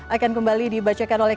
akan kembali dibacakan oleh